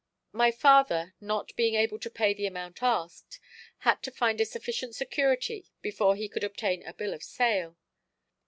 My father not being able to pay the amount asked, had to find a sufficient security before he could obtain a bill of sale.